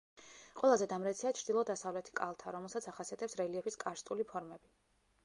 ყველაზე დამრეცია ჩრდილო-დასავლეთი კალთა, რომელსაც ახასიათებს რელიეფის კარსტული ფორმები.